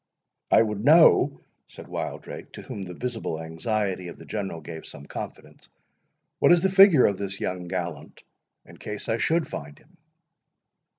"I would know," said Wildrake, to whom the visible anxiety of the General gave some confidence, "what is the figure of this young gallant, in case I should find him?"